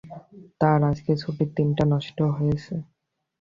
তাঁর আজকের ছুটির দিনটি নষ্ট হয়েছে।